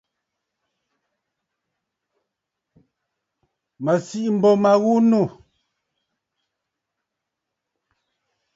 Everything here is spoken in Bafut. Mə̀ sìʼî m̀bô ma ghu nû.